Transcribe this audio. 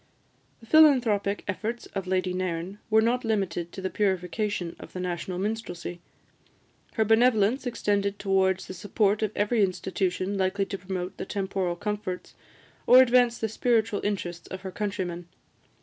The philanthropic efforts of Lady Nairn were not limited to the purification of the national minstrelsy; her benevolence extended towards the support of every institution likely to promote the temporal comforts, or advance the spiritual interests of her countrymen.